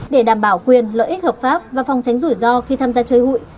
để đảm bảo quyền lợi ích hợp pháp và phòng tránh rủi ro khi tham gia chơi hụi